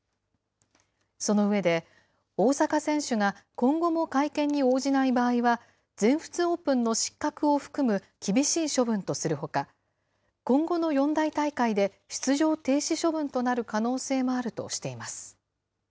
その上で、大坂選手が今後も会見に応じない場合は、全仏オープンの失格を含む厳しい処分とするほか、今後の四大大会で出場停止処分となる可能性もあるとしています。